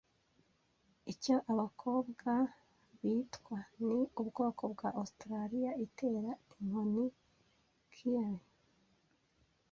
Icyo abakobwa bitwa ni ubwoko bwa Australiya itera inkoni Kylie